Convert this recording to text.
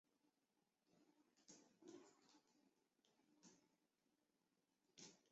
天桥是对北京市宣武区永定门内大街中段附近地区的统称。